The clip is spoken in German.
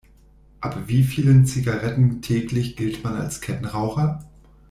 Ab wie vielen Zigaretten täglich gilt man als Kettenraucher?